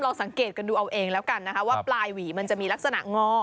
สังเกตกันดูเอาเองแล้วกันนะคะว่าปลายหวีมันจะมีลักษณะงอ